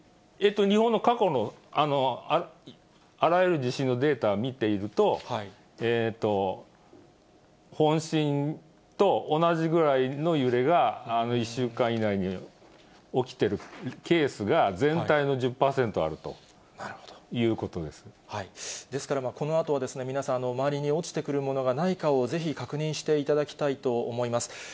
日本の過去のあらゆる地震のデータを見ていると、本震と同じぐらいの揺れが１週間以内に起きてるケースが全体のですから、このあとは皆さん、周りに落ちてくるものがないかをぜひ確認していただきたいと思います。